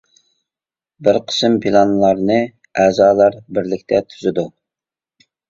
بىر قىسىم پىلانلارنى ئەزالار بىرلىكتە تۈزىدۇ.